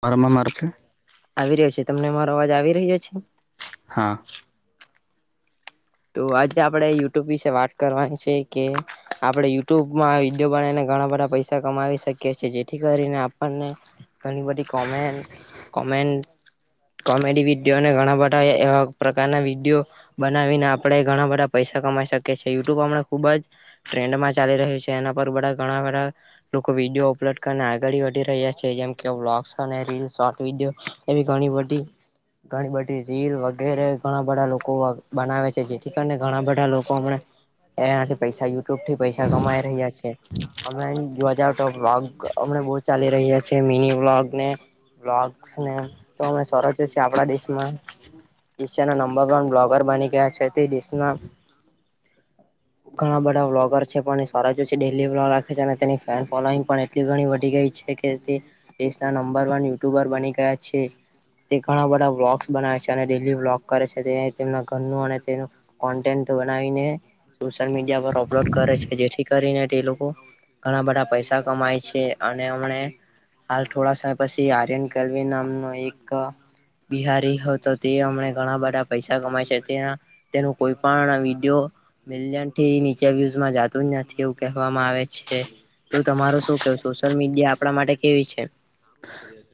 મારામા મારશે? આવી રહ્યો છે, તમને અમારો અવાજ આવી રહ્યો છે? હા. તો આજે આપડે યુટ્યુબ વિશે વાત કરવાની છે કે આપણે યુટ્યુબમાં વિડીયો બનાવીને ઘણા બધા પૈસા કમાવી શકીએ છીએ જેથી કરીને આપણને ધન બટી કોમ કોમન્ટ કોમેડી વિડીયોને ઘણા બધા એવા પ્રકારના વિડીયો, બનાવીને આપ આપણે ઘણા બધા પૈસા કમાઈ શકીએ છીએ યુટ્યુબ આપણે ખુબ જ. ટ્રેન્ડમાં ચાલી રહ્યું છે એના પર બધા ઘણા બધા લોકો વિડીયો અપલોડ કરીને આગળી વધી રહ્યા છે જેમ કે વ્લોગ્સ અને રીલ શોર્ટ વિડીયો એવી ઘણી બધી ઘણી બધી રીલ વગેરે ઘણા બધા લોકો બનાવે છે જે. ને ઘણા બધા લોકો હમ એનાથી પૈસા યુટ્યુબ થી પૈસા કમાઈ રહ્યા છે. અમમે જોવા જ તો્લોગ અમને બહ ચાલી રહ્યા છીએ મિની બ્લોગ ને બ્લોગસ ને તો અમે સરચ છેએ આપણા દેશમાં. શિયા ના નંબર વન બ્લોગર બની ગયા છે દસના હમ. ઘણા બધા વ્લોગર છે પણ એ સવરા જો છે ડેલી વ્લોગ રાખે છે અને તેની ફેન ફોલોઈંગ પણ એટલી ઘણી વધી ગઈ છે કે દેશના નંબર વન યુટ્યુબર બની ગયા છે. તે ઘણા બધા બ્લોગસ બનાવે છે અને ડેલી બ્લોગ કરે છે તે તેમના ઘરનું અને તેનું કોન્ટેન્ટ બનાવીને, સોશિયલ મીડિયા પર અપલોડ કરે છે જેથી કરીને તે લોકો ઘણા બધા પૈસા કમાય છે અને હમને હાલ થોડા સમય પછી આર્યન કરવી નામનો એક બિહારી હો તો તે હમને ઘણા બધા પૈસા કમાય છે તે તેનું કોઈ પણ વિડિયો મિલિયન થી નીચે વ્યુઝમાં જતું જ નથી એવું કહેવામાં આવે છે. તો તમાર શું કેવ સોશિયલ મીડિયા આપણા માટે કેવી છે?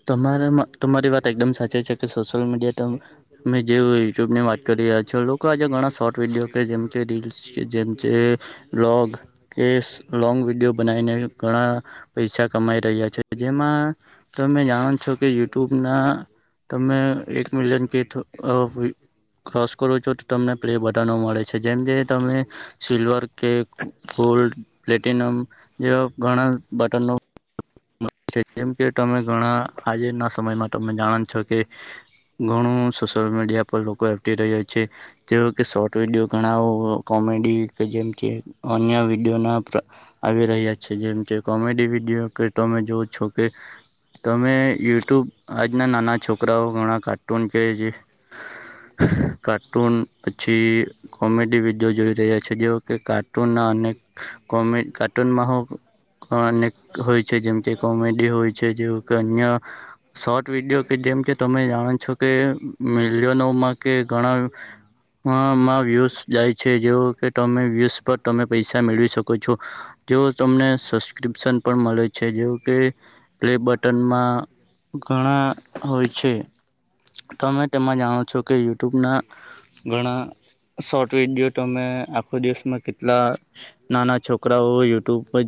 તમારા તમારી વાત એકદમ સાચી છે કે સોશિયલ મીડિયા તો મેં જે યુટ્યુબ ની વાત કરી રહ્યા છો લોકો આજે ઘણા શોર્ટ વિડીયો કે જેમ કે રીલ્સ જેચ છે, લોગ કે લોંગ વિડીયો બનાવીને ઘણા પૈસા કમાઈ રહ્યા છે, જેમાં તમે જાણો છો કે યુટ્યુબ ના તમે એક મિલિયન કે ક્રોસ કરો છો તો તમને પ્લે બટનો મળે છે જેમ જે તમે સિલ્વર કે ગોલ્ડ પ્લેટિનમ, જેવા ઘણા બટનો જેમ કે તમે ઘણા આજે ના સમયમાં તમે જાણો છો કે ઘણું સોશિયલ મીડિયા પર લોકો એક્ટિવ રહી્યા છે. જે કે શોર્ટ વિડીયો ઘણા કોમેડી કે જેમ કે અન્ય વિડીયોના આવી રહ્યા છે જેમ કે કોમેડી વિડીયો કે તમે જોવ છો કે તમે યુટ્યુબ આજના નાના છોકરાઓ ઘણા કાર્ટૂન કે છે. કાર્ટૂન પછી કોમેડી વિદયો જોઈ રહ્યા છે જે કે કાર્ટૂનના અને કો કાર્ટૂનમાં હું અનેક હોય છે જેમ કે કોમેડી હોય છે જેવ કે અન્ય. શોર્ટ વિડીયો કે જેમ કે તમે જાણો છો કે મલયોનોમાં કે ઘણા અ માં વ્યુઝ જાય છે જેવ કે તમે વ્યૂઝ પર તમે પૈસા મેળવી શકો છો. જે તમને સબસ્ક્રિપ્શન પણ મળે છે જેવ કે. પ્લે બટનમાં ઘણા હોય છે. તમે તેમાં જાણો છો કે યુટ્યુબના, ઘણા શોર્ટ વિડીિયો તમે આખો દિવસમાં કેટલા નાના છોકરાઓ યુટ્યુબ પર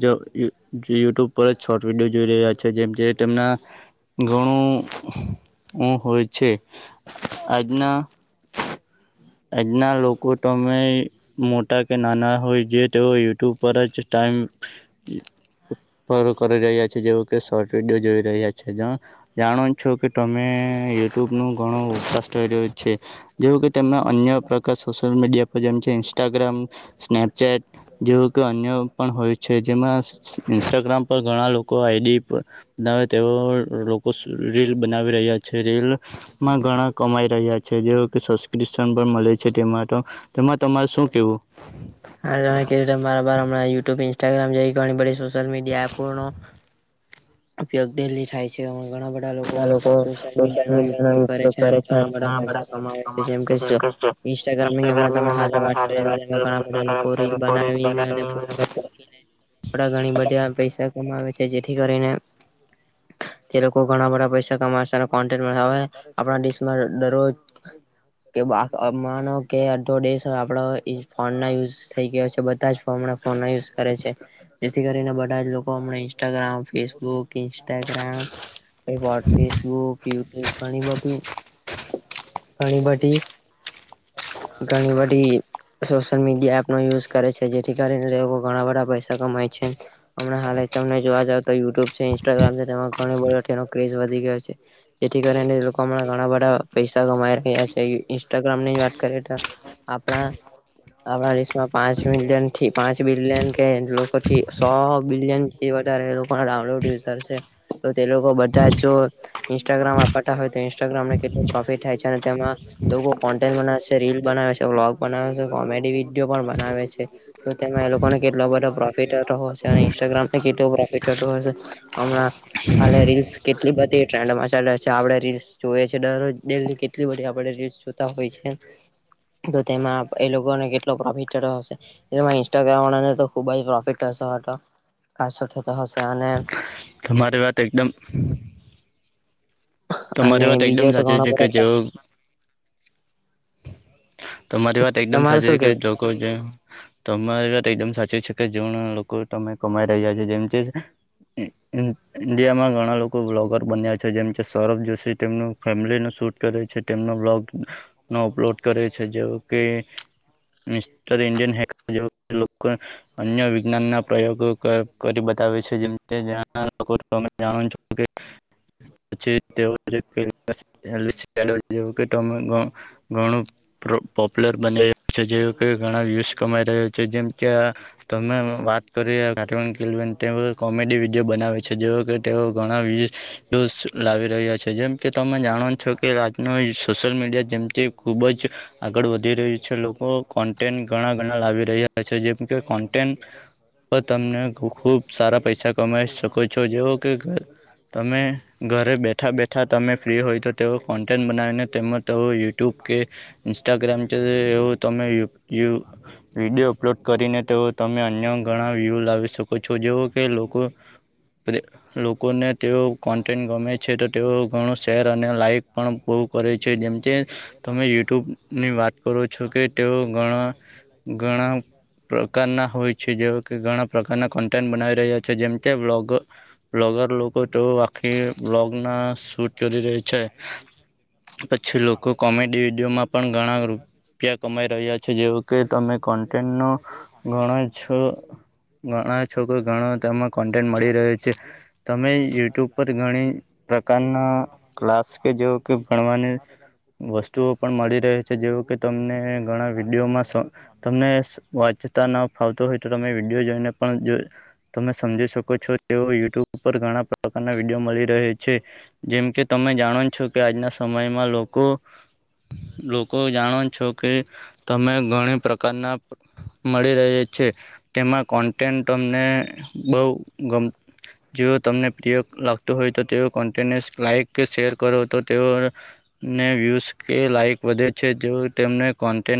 યુટ્યુબ પર જ શોર્ટ વિડીયો જોઈ રહ્યા છે. જેમ જે તેમના ઘણું, હોય છે. આજના આજના લોકો તમે મોટા કે નાના હોય જે તેઓ યુટ્યુબ પર જ ટાઈમ રો કરી રહ્યા છે જેવ કે શોર્ટ વિડીયો જોઈ રહ્યા છે. જાણો છો કે તમે યુટ્યુબ નો ઘણો વકાશ કર્યો છે. જેવું કે તમે અન્ય પ્રકાર સોશિયલ મીડિયા પર જેમ છે ઇન્સ્ટાગ્રામ, સ્નેપચેટ જેવું કે અન્ય પણ હોય છે જેમાં ઇન્સ્ટાગ્રામ પર ઘણા લોકો આઈડી બનાવે તે લોકો રીલ બનાવી રહ્યા છે રીલ માં ઘણા કમાઈ રહ્યા છે જે કે સબસ્ક્રિપ્શન પણ મળે છે તેમાં તો. તેમાં તમારે શું કેવું? મારાર હણાં યુ્યબ ઇન્સ્ટાગ્રામ જે ઘણી બધી સોશિય મડિયા પૂર્ણ. ઉપયોગ ડેલી થાય છે ઘણા બધા લોકો સોશિયલ મીડિયા ન ઉપયોગ કરે છે અને ઘણા બધા પૈસા કમાવે છે જેમ કે ઇન્સ્ટાગ્રામનીમ તમેા વાત કરી ઘણા બધા લોકો રીલ બનાવીને પો આપડા ઘણી બધા પૈસા કમાવે છે જેથી કરીને [inaudible] તે લોકો ઘણા બધા પૈસા કમાશે કો આપણા, દેશમાં દરરોજ કે માનો કે અડો દેશ આપણા ફોનના યુઝ થઈ ગયો છે બધા જમણા ફોન યુઝ કરે છે. જેથી કરીને બધા જ લોકો હમણા Instagram Facebook book, Instagram, Facebook. પીવ પાણી બાધું ઘણીબધી ઘણીબધી સોશિયલ મીડિયા એપ નો યુઝ કરે છે જેથી કરીને લોકો ઘણા બધા પૈસા કમાય છે. હમણા હા તમને જોવા જાવ તો યુટ્યુબ છે ઇન્સ્ટાગ્રામ છે તેમાં ઘણી બધો તેનો ક્રેઝ વધી ગયો છે. જેથી કરીને લોકો હમણા ઘણા બધા પૈસા કમાઈ રહ્યા છે ઇન્સ્ટાગ્રામ ની વાત કરીએ તો. આપણા આપણા દેશમાં પાંચ મિલિયન થી પાંચ બિલિયન કે લોકો થી સો બિલિયન. એ વધારે લોકો ડઉલોયુઝર છે, તો તે લોકો બધા જો ઈન્સ્ટાગ્રામ આપતા હોય તો ઈન્સ્ટાગ્રામને કેટલું પ્રોફિટ થાય છે અને તેમાં લોકો કોન્ટેન્ટ બનાવે છે રીલ બનાવે છે બ્લોગ બનાવે છે કોમેડી વિડીયો પણ બનાવે છે. તો તેમાં એ લોકોને કેટલો બધો પ્રોફિટ થતો હશે અને ઇન્સ્ટાગ્રામને કેટલું પ્રોફિટ થતો હશે. હમણા હાલે રીલ્સ કેટલી બધી ટ્રેન્ડ માં ચાલે છે આપણે રીલ્સ જોઈએ છે દરોજ ડૈયલી કેટલી બધી આપણે રીલ્સ હોય છે, તો તેમાં એ લોકોને કેટલો પ્રોફિટ થતો હશે. એટલે ઇન્સ્ટાગ્રામ વાળા ને તો ખુબ જ પ્રોફિટ હશે કશો થતો હશે અને તમારી વાત એકદમ અને તમારી વાત એકદમ બીજો તો સાચી ઘણો છે કે બધો જે તમારી વાત એકદમ તમારે સાચ શું છે કેવું? લોકો જેમ તમારી વાત એકદમ સાચી છે કે જેમ લોકો તમે કમાઈ રહ્યા છે જેમ કે ઇન્ડિયામાં ઘણા લોકો બ્લોગર બન્યા છે જેમ કે સૌરભ જોશી તેમનું ફેમિલી નુ શુટ કરે છે તેમનો બ્લોગ નો અપલોડ કરે છે જેમ કે મિસ્ટર ઈન્ડિયન હેકર જેમ લોકોને. અન્ય વિજ્ઞાન ના પ્રયોગો કરી બતાવે છે [unintelligible] [unintelligible] પોપ્યુલર બની રહ્યો છે જે ઘણા વ્યુઝ કમાઈ રહ્યો છે, જેમ કે આ તમે વાત કરી કોમેડી વિડીયો બનાવે છે જે કે તેઓ ઘણા [unintelligible] લાવી રહ્યા છે જેમ કે તમે જાણો છો કે આજનો સોશિયલ મીડિયા જેમથી ખૂબ જ. આગળ વધી રહ્યું છે લોકો કોન્ટેન્ટ ઘણા ઘણા લાવી રહ્યા છે જેમ કે કોન્ટેન્ટ પણ તમે ખુબ સારા પૈસા કમાઈ શકો છો જેવો કે તમે ઘરે બેઠા બેઠા તમે ફ્રી હોય તો તેઓ કોન્ટેન્ટ બનાવીને તેમજ તેઓ યુટ્યુબ કે ઇન્સ્ટાગ્રામ છે એવું તમે વિડીયો અપલોડ કરીને તેઓ તમે અન્ય ઘણા વ્યુ લાવી શકો છો જેવ કે લોકો. લોકોને તેઓ કો ગમે છે તો તેઓ ઘણું શેર અને લાઈક પણ બહુ કરે છે જેમ કે તમે યુટ્યુબ ની વાત કરો છો કે તેઓ ઘણા, ઘણા પ્રકારના હોય છે જે કે ઘણા પ્રકારના કન્ટેન્ટ બનાવી રહ્યા છે જેમ કે બ્લોગ બ્લોગાર લોકો તો આખી બ્લોગ ના શૂટ કરી રહી છે. પછી લોકો કોમેડી વિડીયોમાં પણ ઘણા રૂપિયા કમાઈ રહ્યા છે જેવું કે તમે કોન્ટેન્ટનો, ઘણા જ ઘણા છોકરો ઘણો તેમાં કોન્ટેન્ટ મળી રહે્યો છે, તમે યુટ્યુબ ઉપ ઘણી પ્રકારના ક્લાસ કે જે કે ભણવાની વસ્તુઓ પણ મળી રહી છે જેવ કે તમને ઘણા વિડીયોમાં તમને વાચતા ન ફાવતો હોય તો તમે વિડીયો જોઈને પણ જો તમે સમજી શકો છો તેઓ યુટ્યુબ પર ઘણા વિડીયો મળી રહે છે, જેમ કે તમે જાણો છો કે આજના સમયમાં લોકો લોકો જાણો છો કે, તમે ઘણી પ્રકારના મળી રહે છે, તેમાં કોન્ટેન્ટ તમને બહુ ગમ તમને પ્ર લાગત હોય તો લ શેર કરો તો ને વ્યૂઝ કે લાઈક વધે છે જો તેમને કોન્ટેન્ટ